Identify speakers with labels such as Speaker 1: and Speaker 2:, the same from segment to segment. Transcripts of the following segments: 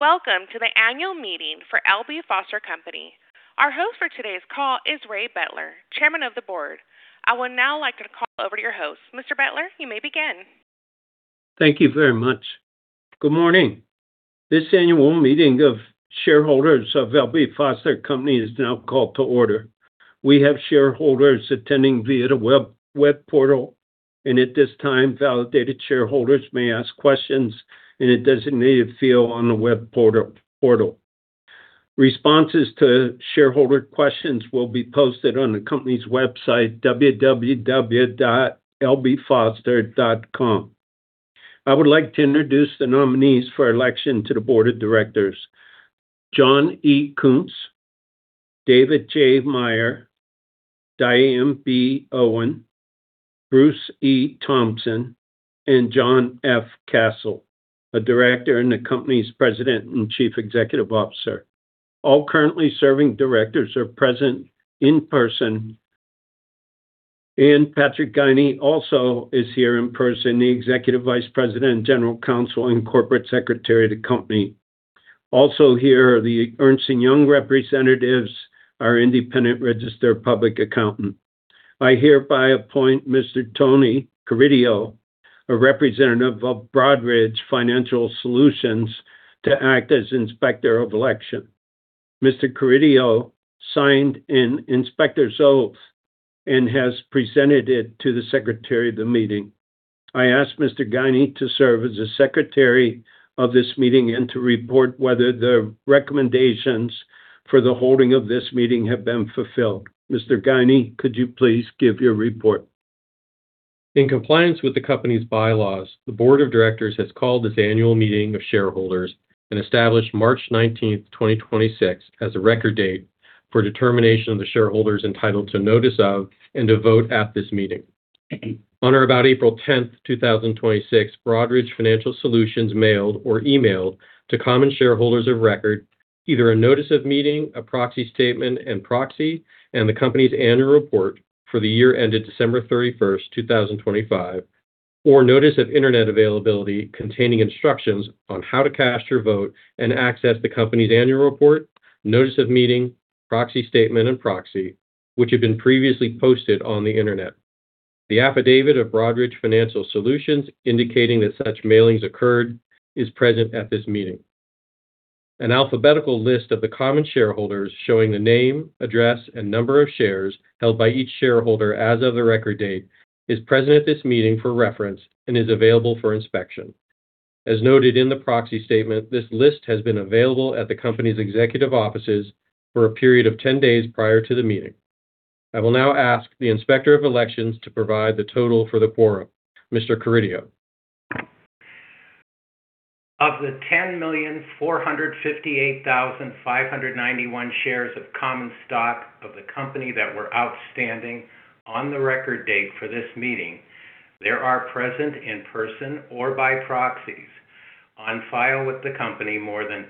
Speaker 1: Welcome to the annual meeting for L.B. Foster Company. Our host for today's call is Ray Betler, Chairman of the Board. I would now like to call over to your host. Mr. Betler, you may begin.
Speaker 2: Thank you very much. Good morning. This annual meeting of shareholders of L.B. Foster Company is now called to order. We have shareholders attending via the web portal, and at this time, validated shareholders may ask questions in a designated field on the web portal. Responses to shareholder questions will be posted on the company's website, www.lbfoster.com. I would like to introduce the nominees for election to the Board of Directors, John E. Kunz, David J. Meyer, Diane B. Owen, Bruce E. Thompson, and John F. Kasel, a Director and the company's President and Chief Executive Officer. All currently serving Directors are present in person. Patrick Guinee also is here in person, the Executive Vice President, General Counsel and Corporate Secretary of the company. Also here are the Ernst & Young representatives, our independent registered public accountant. I hereby appoint Mr. Tony Carideo, a representative of Broadridge Financial Solutions, to act as Inspector of Election. Mr. Carideo signed an inspector's oath and has presented it to the secretary of the meeting. I ask Mr. Guinee to serve as the secretary of this meeting and to report whether the recommendations for the holding of this meeting have been fulfilled. Mr. Guinee, could you please give your report?
Speaker 3: In compliance with the company's bylaws, the board of directors has called this annual meeting of shareholders and established March 19th, 2026, as a record date for determination of the shareholders entitled to notice of and to vote at this meeting. On or about April 10th, 2026, Broadridge Financial Solutions mailed or emailed to common shareholders of record either a notice of meeting, a proxy statement and proxy, and the company's annual report for the year ended December 31st, 2025, or notice of internet availability containing instructions on how to cast your vote and access the company's annual report, notice of meeting, proxy statement, and proxy, which had been previously posted on the internet. The affidavit of Broadridge Financial Solutions indicating that such mailings occurred is present at this meeting. An alphabetical list of the common shareholders showing the name, address, and number of shares held by each shareholder as of the record date is present at this meeting for reference and is available for inspection. As noted in the proxy statement, this list has been available at the company's executive offices for a period of 10 days prior to the meeting. I will now ask the Inspector of Elections to provide the total for the quorum. Mr. Carideo.
Speaker 4: Of the 10,458,591 shares of common stock of the company that were outstanding on the record date for this meeting, there are present in person or by proxies on file with the company, more than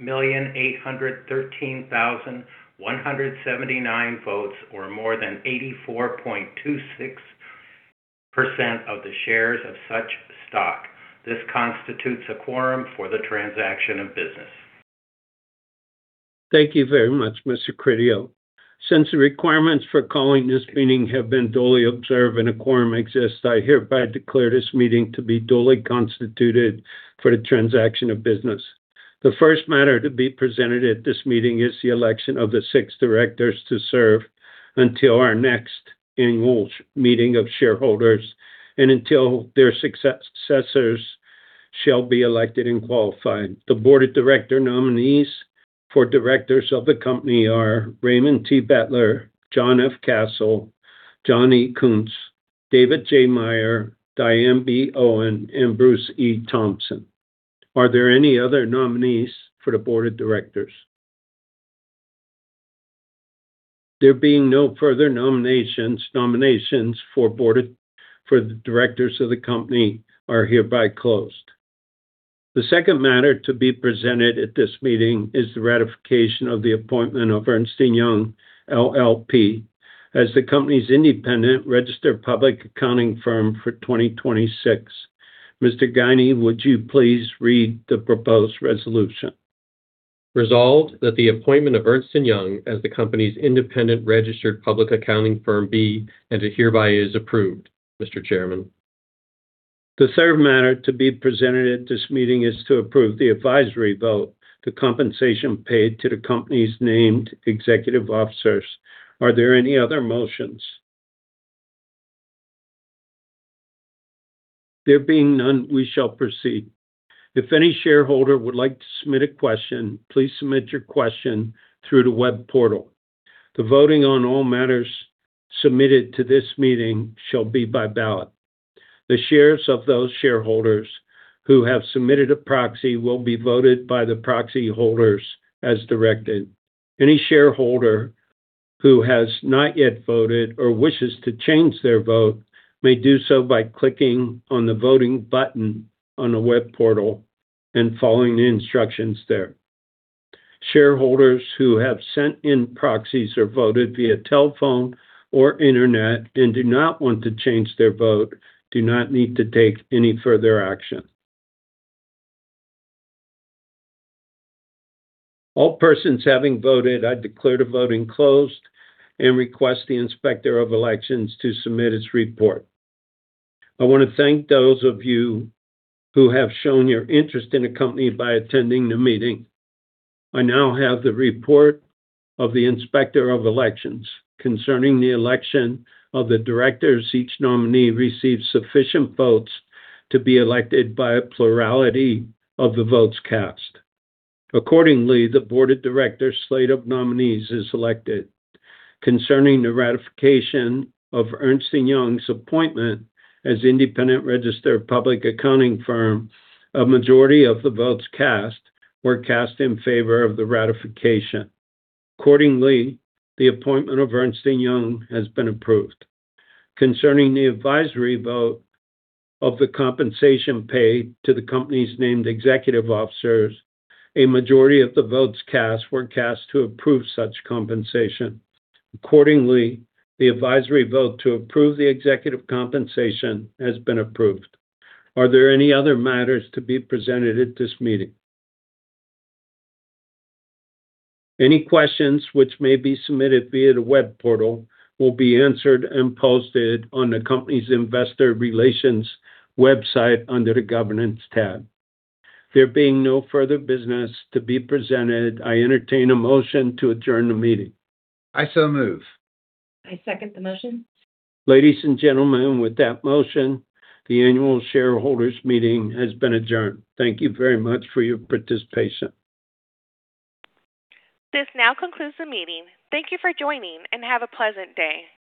Speaker 4: 8,813,179 votes or more than 84.26% of the shares of such stock. This constitutes a quorum for the transaction of business.
Speaker 2: Thank you very much, Mr. Carideo. Since the requirements for calling this meeting have been duly observed and a quorum exists, I hereby declare this meeting to be duly constituted for the transaction of business. The first matter to be presented at this meeting is the election of the six directors to serve until our next annual meeting of shareholders and until their successors shall be elected and qualified. The board of director nominees for directors of the company are Raymond T. Betler, John F. Kasel, John E. Kunz, David J. Meyer, Diane B. Owen, and Bruce E. Thompson. Are there any other nominees for the board of directors? There being no further nominations for the directors of the company are hereby closed. The second matter to be presented at this meeting is the ratification of the appointment of Ernst & Young LLP as the company's independent registered public accounting firm for 2026. Mr. Guinee, would you please read the proposed resolution?
Speaker 3: Resolved that the appointment of Ernst & Young as the company's independent registered public accounting firm be, and it hereby is approved," Mr. Chairman.
Speaker 2: The third matter to be presented at this meeting is to approve the advisory vote, the compensation paid to the company's named executive officers. Are there any other motions? There being none, we shall proceed. If any shareholder would like to submit a question, please submit your question through the web portal. The voting on all matters submitted to this meeting shall be by ballot. The shares of those shareholders who have submitted a proxy will be voted by the proxy holders as directed. Any shareholder who has not yet voted or wishes to change their vote may do so by clicking on the voting button on the web portal and following the instructions there. Shareholders who have sent in proxies or voted via telephone or internet and do not want to change their vote do not need to take any further action. All persons having voted, I declare the voting closed and request the Inspector of Elections to submit its report. I want to thank those of you who have shown your interest in the company by attending the meeting. I now have the report of the Inspector of Elections concerning the election of the directors. Each nominee received sufficient votes to be elected by a plurality of the votes cast. Accordingly, the board of directors' slate of nominees is elected. Concerning the ratification of Ernst & Young's appointment as independent registered public accounting firm, a majority of the votes cast were cast in favor of the ratification. Accordingly, the appointment of Ernst & Young has been approved. Concerning the advisory vote of the compensation paid to the company's named executive officers, a majority of the votes cast were cast to approve such compensation. Accordingly, the advisory vote to approve the executive compensation has been approved. Are there any other matters to be presented at this meeting? Any questions which may be submitted via the web portal will be answered and posted on the company's investor relations website under the governance tab. There being no further business to be presented, I entertain a motion to adjourn the meeting. I so move.
Speaker 5: I second the motion.
Speaker 2: Ladies and gentlemen, with that motion, the annual shareholders' meeting has been adjourned. Thank you very much for your participation.
Speaker 1: This now concludes the meeting. Thank you for joining, and have a pleasant day.